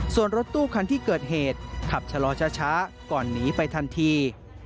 ส่วนรถตู้คันที่เกิดเหตุขับชะลอช้าก่อนหนีไปทันที